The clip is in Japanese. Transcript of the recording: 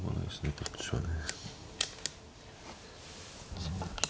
こっちはね。